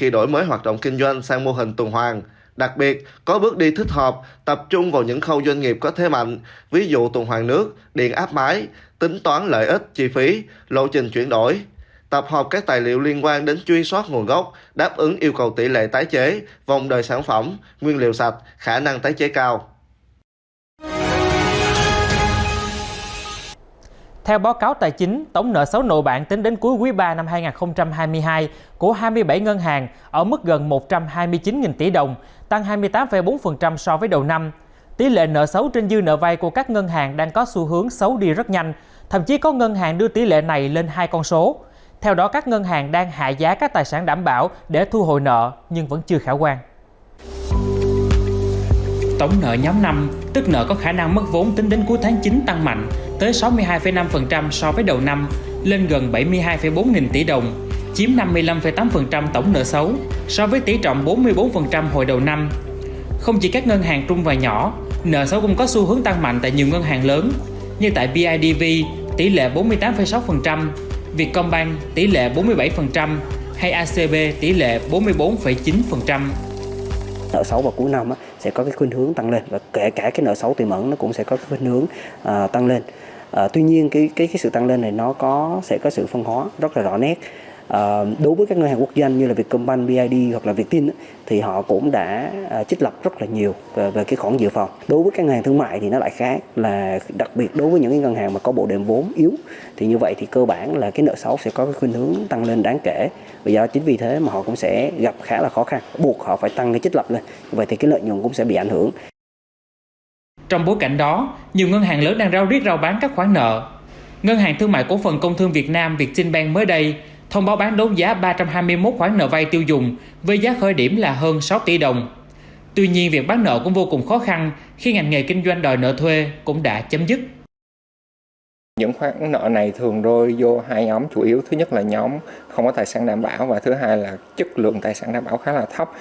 do đó sở giao dịch chứng khoán tp hcm đã thông báo dừng việc xem xét hồ sơ đăng ký niêm yếp của nova consumer và sẽ công bố thông tin ra thị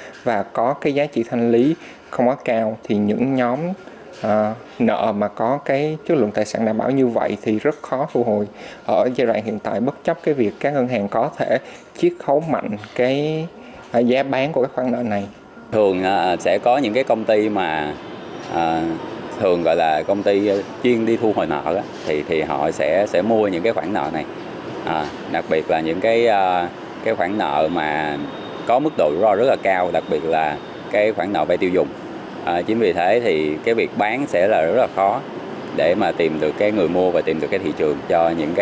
trường